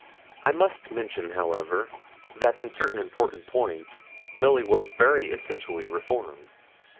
I must mention, however, that in certain important points Milly was very essentially reformed.